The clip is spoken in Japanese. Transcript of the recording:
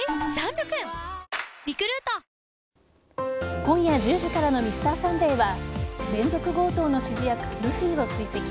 今夜１０時からの「Ｍｒ．サンデー」は連続強盗の指示役・ルフィを追跡。